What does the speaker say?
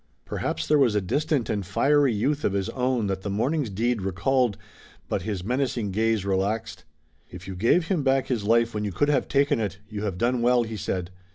Perhaps there was a distant and fiery youth of his own that the morning's deed recalled, but his menacing gaze relaxed. "If you gave him back his life when you could have taken it, you have done well," he said.